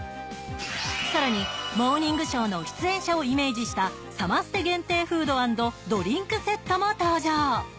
更に、「モーニングショー」の出演者をイメージしたサマステ限定フードアンドドリンクセットも登場。